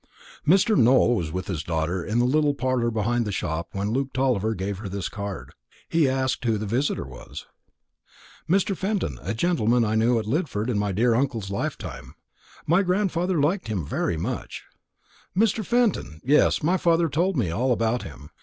Mr. Nowell was with his daughter in the little parlour behind the shop when Luke Tulliver gave her this card. He asked who the visitor was. "Mr. Fenton, a gentleman I knew at Lidford in my dear uncle's lifetime. My grandfather liked him very much." "Mr. Fenton! Yes, my father told me all about him.